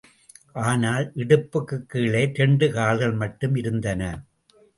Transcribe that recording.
ஆனால், இடுப்புக்குக் கீழே இரண்டு கால்கள் மட்டும் இருந்தன.